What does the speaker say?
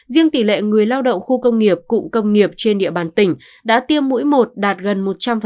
riêng tỷ lệ người lao động khu công nghiệp cụm công nghiệp trên địa bàn tỉnh đã tiêm mũi một đạt gần một trăm linh